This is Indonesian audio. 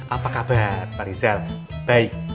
apa kabar pak rizal baik